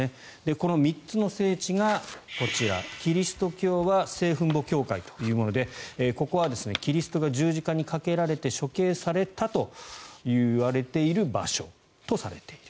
この３つの聖地がこちらキリスト教は聖墳墓教会というものでここはキリストが十字架にかけられて処刑されたといわれている場所とされている。